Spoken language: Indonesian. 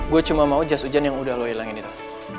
gue cuma mau jas hujan yang udah lo hilangin itu